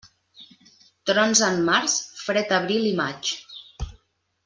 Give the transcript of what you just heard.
Trons en març, fred abril i maig.